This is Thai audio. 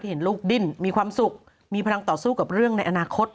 เห็นลูกดิ้นมีความสุขมีพลังต่อสู้กับเรื่องในอนาคต